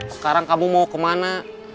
sekarang kamu mau kemana